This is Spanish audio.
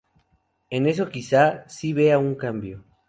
En eso quizá sí vea un cambio"".